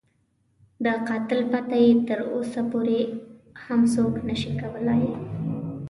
د قاتل پته یې تر اوسه پورې هم څوک نه شي کولای.